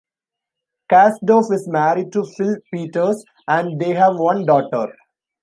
Kasdorf is married to Phil Peters, and they have one daughter.